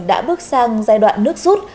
đã bước sang giai đoạn nước rút